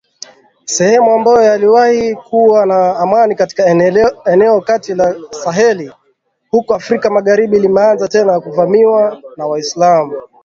sehemu ambayo yaliwahi kuwa na amani katika eneo la kati ya Saheli huko Afrika magharibi limeanza tena kuvamiwa na waislamu